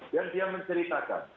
dan dia menceritakan